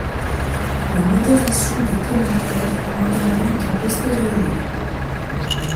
La modération des commentaires n'intervient qu'a posteriori.